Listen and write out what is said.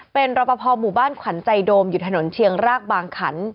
เป็นรอปภหมู่บ้านขวัญใจโดมอยู่ถนนเชียงรากบางขัน